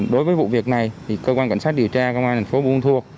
đối với vụ việc này thì cơ quan cảnh sát điều tra công an thành phố buôn ma thuột